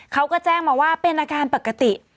เขาก็แจ้งมาว่าเป็นอาการปกติ